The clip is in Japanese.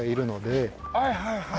はいはいはいはい。